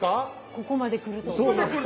ここまで来るとね。